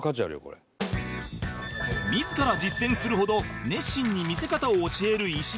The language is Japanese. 自ら実践するほど熱心に見せ方を教える石田だが